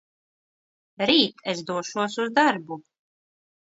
Rīt es došos uz darbu.